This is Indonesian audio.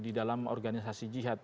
di dalam organisasi jihad